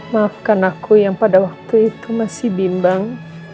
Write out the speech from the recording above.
maafkan aku yang pada waktu itu masih bimbang